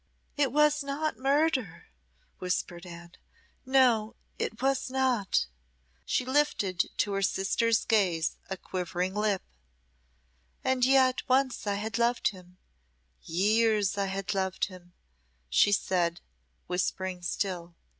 "It was not murder," whispered Anne "no, it was not." She lifted to her sister's gaze a quivering lip. "And yet once I had loved him years I had loved him," she said, whispering still.